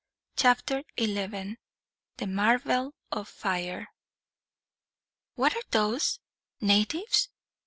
Chapter 11: The Marvel of Fire. "What are those natives?"